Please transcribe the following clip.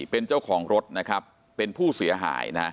เป็นเจ้าของรถนะครับเป็นผู้เสียหายนะ